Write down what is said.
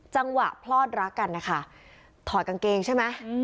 พลอดรักกันนะคะถอดกางเกงใช่ไหม